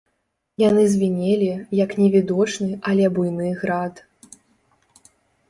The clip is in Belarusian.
Яны звінелі, як невідочны, але буйны град.